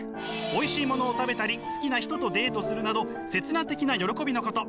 おいしいものを食べたり好きな人とデートするなど刹那的な喜びのこと。